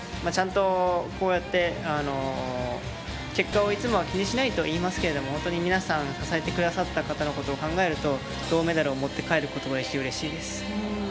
ちゃんとこうやって結果をいつもは気にしないと言いますけれども皆さん、支えてくださった方のことを考えると、銅メダルを持って帰ることができて嬉しいです。